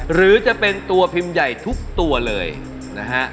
หรือจะเป็นตัวพิมพ์ใหญ่ทุกตัวเลยนะฮะ